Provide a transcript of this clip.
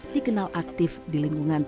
dikenal aktif di lingkungan